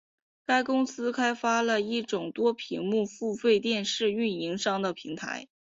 该公司开发了一种多屏幕付费电视运营商的平台。